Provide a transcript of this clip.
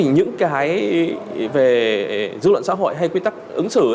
những cái về dư luận xã hội hay quy tắc ứng xử